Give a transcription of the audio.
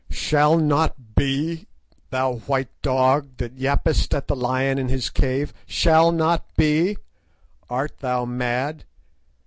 "Shall not be! thou white dog, that yappest at the lion in his cave; shall not be! art thou mad?